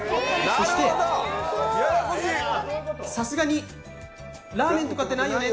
そしてさすがにラーメンとかって無いよね？